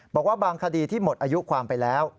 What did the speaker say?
บอกว่าบางคดีที่หมดอายุความไปแล้ว